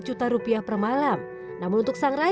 jika sudah mencari kamar yang tertentu silakan lewat